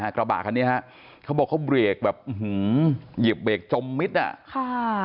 กระบาดคันนี้เขาบอกเขาเบรกแบบหื้อหือเหยียบเบรกจมมิดน่ะ